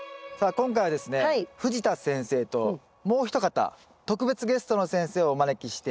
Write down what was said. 今回はですね藤田先生ともうひと方特別ゲストの先生をお招きして。